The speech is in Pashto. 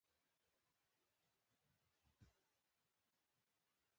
پدې سره ټول دغه ولايت او ټول هېواد ته خورا زياته گټه ورسېده